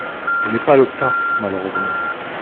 Ce n’est pas le cas, malheureusement.